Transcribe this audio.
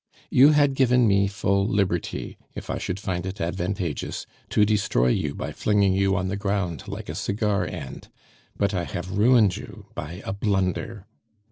"You had given me full liberty, if I should find it advantageous, to destroy you by flinging you on the ground like a cigar end; but I have ruined you by a blunder.